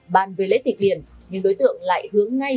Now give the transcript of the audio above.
bàn về lễ tịch điền những đối tượng lại hướng ngay